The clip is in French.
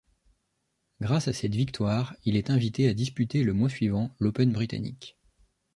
Grâce à cette victoire, il est invité à disputer le mois suivant l'Open britannique.